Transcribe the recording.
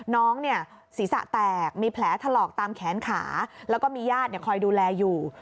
น้องเนี่ยศีรษะแตกมีแผลถลอกตามแขนขาแล้วก็มีญาติคอยดูแลอยู่